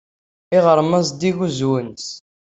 Iɣrem-a zeddig uzwu-nnes.